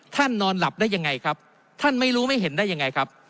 นอนหลับได้ยังไงครับท่านไม่รู้ไม่เห็นได้ยังไงครับ